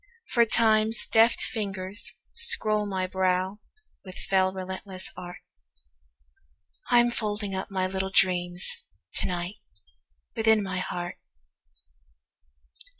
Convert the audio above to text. For Time's deft fingers scroll my browWith fell relentless art—I'm folding up my little dreamsTo night, within my heart!